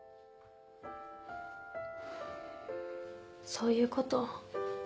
そういうこと。